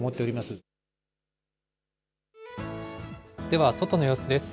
では、外の様子です。